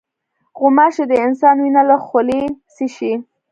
غوماشې د انسان وینه له خولې څښي.